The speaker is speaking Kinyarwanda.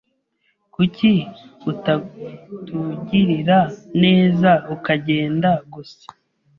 Kuki utatugirira neza ukagenda gusa?